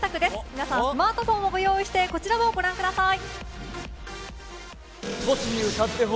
皆さん、スマートフォンをご用意してこちらをご覧ください。